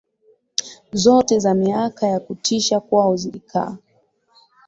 zote za miaka ya kutisha kwao zilikaa